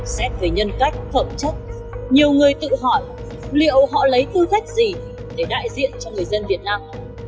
xét về nhân cách phẩm chất nhiều người tự hỏi liệu họ lấy tư cách gì để đại diện cho người dân việt nam